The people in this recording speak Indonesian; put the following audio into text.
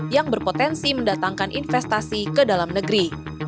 yang berpotensi mendatangkan investasi ke dalam negeri